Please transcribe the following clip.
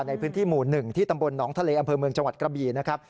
ในพื้นที่หมู่๑ที่ตำบลหนองทะเลอำเภอเมืองจังหวัดกระบีนะครับ